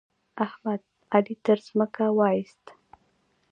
احمد؛ علي تر ځمکه واېست.